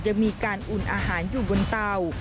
ยังมีการอุ่นอาหารอยู่บนเตา